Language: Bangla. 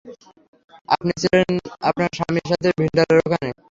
আপনি ছিলেন আপনার স্বামীর সাথে ভিন্ডারের ওখানে?